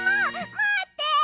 まって！